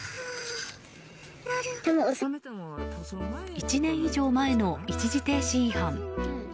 １年以上前の一時停止違反。